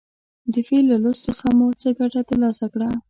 د فعل له لوست څخه مو څه ګټه تر لاسه کړه.